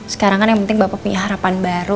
sekarang kan yang penting bapak punya harapan baru